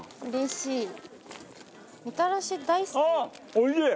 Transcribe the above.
おいしい！